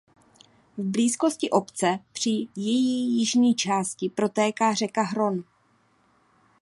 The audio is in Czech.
V blízkosti obce při její jižní části protéká řeka Hron.